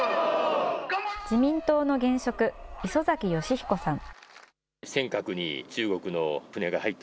自民党の現職、磯崎仁彦さん。